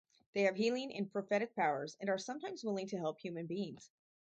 They have healing and prophetic powers and are sometimes willing to help human beings.